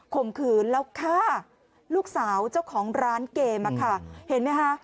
ข่มขืนแล้วฆ่าลูกสาวเจ้าของร้านเกมอะค่ะเห็นไหมคะ